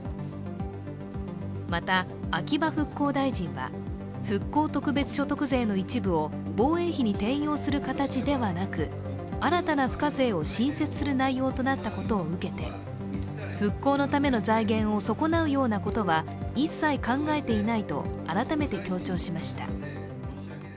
また、秋葉復興大臣は復興特別所得税の一部を防衛費に転用する形ではなく新たな付加税を新設する内容となったことを受けて復興のための財源を損なうようなことは一切考えていないと改めて強調しました。